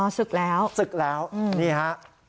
อ๋อสึกแล้วสึกแล้วนี่ฮะ